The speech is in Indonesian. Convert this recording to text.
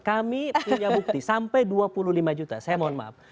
kami punya bukti sampai dua puluh lima juta saya mohon maaf